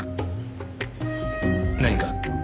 何か？